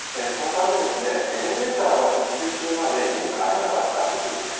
そのため、エレベーターが復旧するまで家に帰れなかったんです。